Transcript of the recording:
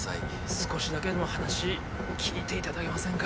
少しだけでも話聞いていただけませんか？